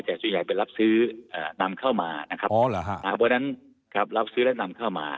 แต่ส่วนใหญ่เป็นรับซื้อนำเข้ามาพอดังนั้นรับซื้อและนำเข้ามา